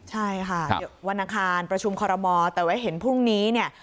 ใช่ค่ะวันอังคารประชุมคอรมอแต่ว่าเห็นพรุ่งนี้เนี่ย